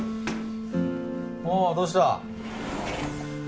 おうどうした？